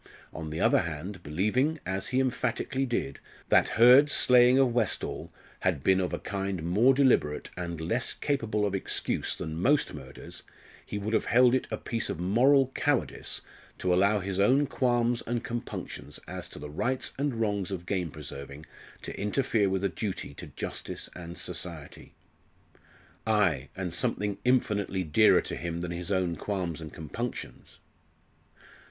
On the other hand, believing, as he emphatically did, that Hurd's slaying of Westall had been of a kind more deliberate and less capable of excuse than most murders, he would have held it a piece of moral cowardice to allow his own qualms and compunctions as to the rights and wrongs of game preserving to interfere with a duty to justice and society. Ay! and something infinitely dearer to him than his own qualms and compunctions.